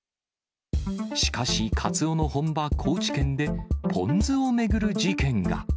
しかし、カツオの本場、高知県でポン酢を巡る事件が。